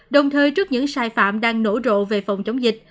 đồng thời trước những sai phạm đang nổ rộ về phòng chống dịch